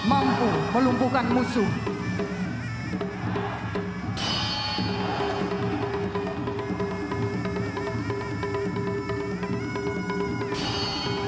tni terhadap pahlawan tni memperoleh menyebabkan kemurahan dan kegiatan